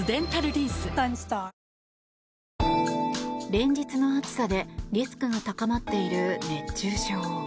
連日の暑さでリスクが高まっている熱中症。